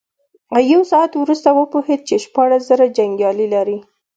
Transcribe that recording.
يو ساعت وروسته وپوهېد چې شپاړس زره جنيګالي لري.